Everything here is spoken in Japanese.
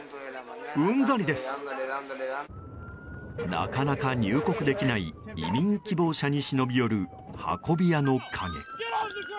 なかなか入国できない移民希望者に忍び寄る運び屋の影。